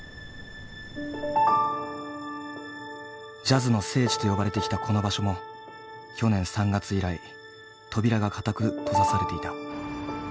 ジャズの聖地と呼ばれてきたこの場所も去年３月以来扉が固く閉ざされていた。